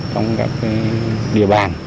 trong các địa bàn